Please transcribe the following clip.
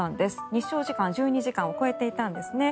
日照時間１２時間を超えていたんですね。